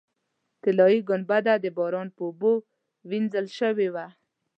طلایي ګنبده د باران په اوبو وینځل شوې وه.